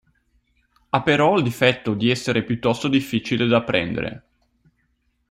Ha però il difetto di essere piuttosto difficile da apprendere.